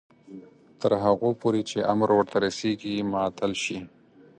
تر هغو پورې چې امر ورته رسیږي معطل شي.